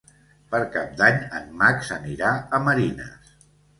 Per Cap d'Any en Max anirà a Marines.